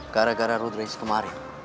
gara gara road range kemarin